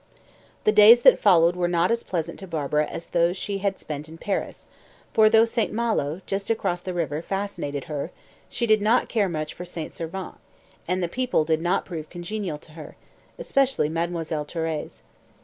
The days that followed were not as pleasant to Barbara as those she had spent in Paris, for though St. Malo, just across the river, fascinated her, she did not care much for St. Servant, and the people did not prove congenial to her especially Mademoiselle Thérèse.